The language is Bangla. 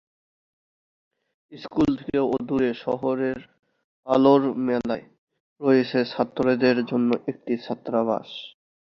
স্কুল থেকে অদূরে শহরের আলোর মেলায় রয়েছে ছাত্রদের জন্য একটি ছাত্রাবাস।